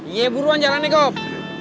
iya buruan jalannya gop